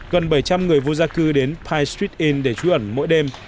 gần bảy trăm linh người vô gia cư đến pye street inn để trú ẩn mỗi đêm